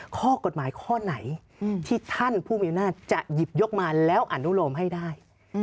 ข้อกฎหมายข้อไหนที่ท่านผู้มีอำนาจจะหยิบยกมาแล้วอนุโลมให้ได้